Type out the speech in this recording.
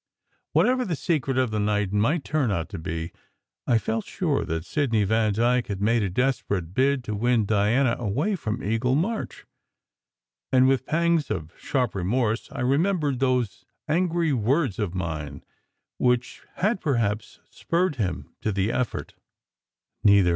Whatever the secret of the night might turn out to be, I felt sure that Sidney Vandyke had made a desperate bid to win Diana away from Eagle March. And with pangs of sharp remorse I remembered 130 SECRET HISTORY those angry words of mine which had perhaps spurred him to the effort. Neither Mrs!